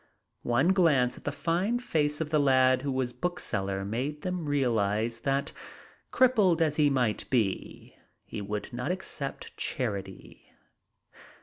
One glance at the fine face of the lad who was bookseller made them realize that, crippled as he might be, he would not accept charity.